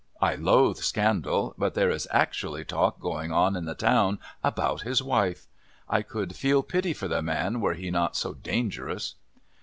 I loathe scandal, but there is actually talk going on in the town about his wife. I could feel pity for the man were he not so dangerous."